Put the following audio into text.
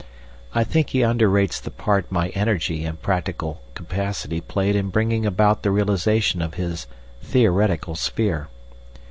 I think he underrates the part my energy and practical capacity played in bringing about the realisation of his theoretical sphere.